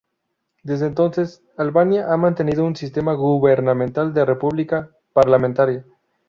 Desde entonces, Albania ha mantenido un sistema gubernamental de república parlamentaria.